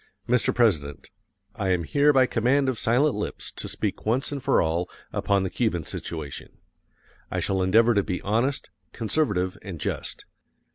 ] Mr. President, I am here by command of silent lips to speak once and for all upon the Cuban situation. I shall endeavor to be honest, conservative, and just.